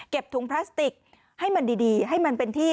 ถุงพลาสติกให้มันดีให้มันเป็นที่